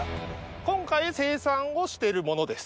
今回生産をしてる者です。